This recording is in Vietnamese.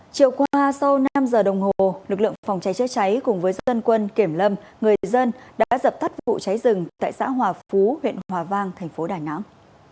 chiều qua sau năm giờ đồng hồ lực lượng phòng cháy chữa cháy cùng với dân quân kiểm lâm người dân đã dập tắt vụ cháy rừng tại xã hòa phú huyện hòa vang thành phố đà nẵng